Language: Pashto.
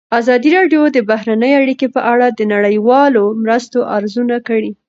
ازادي راډیو د بهرنۍ اړیکې په اړه د نړیوالو مرستو ارزونه کړې.